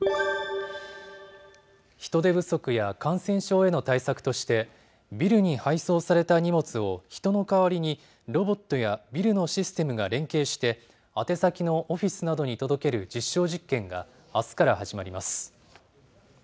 人手不足や感染症への対策として、ビルに配送された荷物を人の代わりに、ロボットやビルのシステムが連携して、宛先のオフィスなどに届ける実証実験があすから始まります。